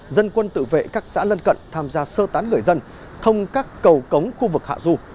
dân quân tự vệ các xã lân cận tham gia sơ tán người dân thông các cầu cống khu vực hạ du